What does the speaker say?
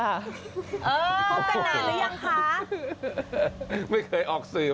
เออพบกันนานหรือยังคะ